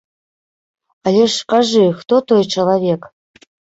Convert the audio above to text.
Але ж кажы, хто той чалавек?